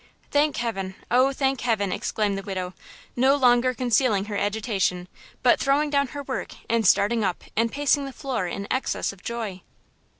"Thank Heaven! oh, thank Heaven!" exclaimed the widow, no longer concealing her agitation, but throwing down her work, and starting up and pacing the floor in excess of joy.